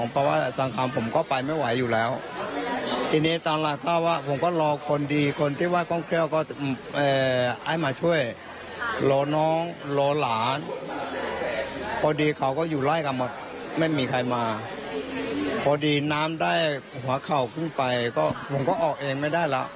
พอดีน้ำได้หัวเข่าเพิ่งไปก็ผมก็ออกเองไม่ได้ละ